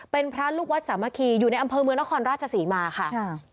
เป็นพระลูกวัดสามัคคีอยู่ในอำเภอเมืองนครราชศรีมาค่ะ